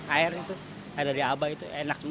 air itu air dari abah itu enak banget